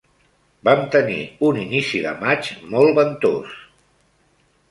Vam tenir un inici de maig molt ventós.